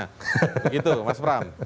begitu mas pram